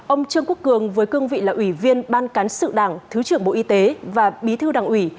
ông trương quốc cường với cương vị là ủy viên ban cán sự đảng thứ trưởng bộ y tế và bí thư đảng ủy